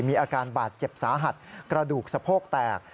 มีอาการบาดเจ็บสาหัสกระดูกสะโพกแตก